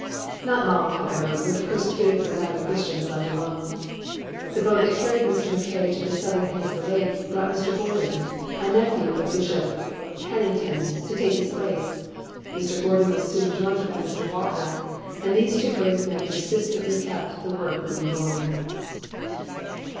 Not long, however, were the persecuted Waganda Christians left alone. The boat that carried Mr. Mackay to the southern end of the lake brought Mr. Gordon, a nephew of Bishop Hannington, to take his place. Mr. Gordon was soon joined by Mr. Walker, and these two brave men persist ently kept the work moving forward.